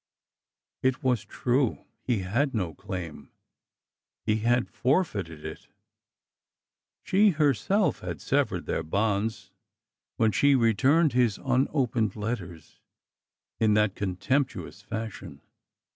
It was true ! He had no claim ! He had forfeited it ! She herself had severed their bonds when she returned his unopened letters in that contemptuous fashion.